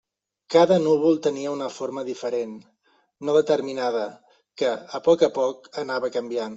Cada núvol tenia una forma diferent, no determinada, que, a poc a poc, anava canviant.